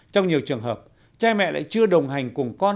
trong nhiều trường hợp cha mẹ lại chưa đồng hành cùng con